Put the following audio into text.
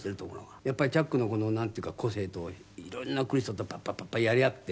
やっぱりチャックのなんていうか個性と色んな来る人とパッパパッパやり合って。